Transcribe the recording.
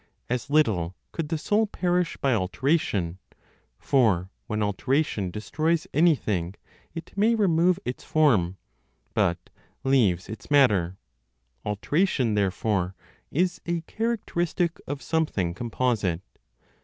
As little could the soul perish by alteration; for when alteration destroys anything, it may remove its form, but leaves its matter; alteration, therefore, is a characteristic of something composite.